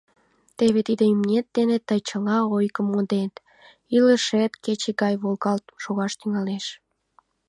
Теве тиде имнет дене тый чыла ойгым мондет, илышет кече гай волгалт шогаш тӱҥалеш.